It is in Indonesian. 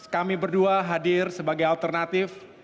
kami berdua hadir sebagai alternatif